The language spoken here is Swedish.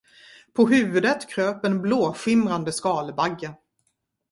På huvudet kröp en blåskimrande skalbagge.